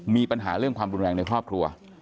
มีปัญหาเรื่องความรุนแรงในครอบครัว